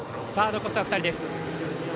残すは２人です。